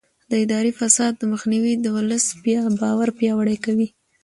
د اداري فساد مخنیوی د ولس باور پیاوړی کوي.